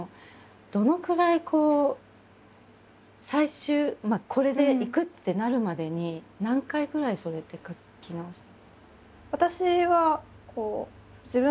どのくらい最終これでいくってなるまでに何回ぐらいそれって書き直した？